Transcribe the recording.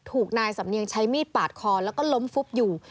ถูกนายสำเนียงใช้มีดปาดคอแล้วก็ล้มฟุบอยู่